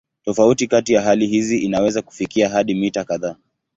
Tofauti kati ya hali hizi inaweza kufikia hadi mita kadhaa.